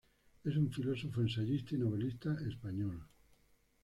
Es un filósofo, ensayista y novelista español.